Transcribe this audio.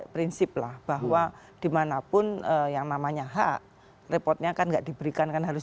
prinsip lah bahwa dimanapun yang namanya hak repotnya kan enggak diberikan kan harus